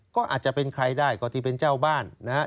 ก็อาจจะเป็นใครได้ก็อาจจะเป็นเจ้าบ้านนะครับ